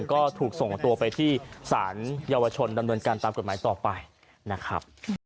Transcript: ก็ถูกส่งตัวไปที่สารเยาวชนดำเนินการตามกฎหมายต่อไปนะครับ